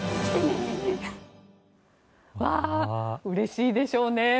うれしいでしょうね！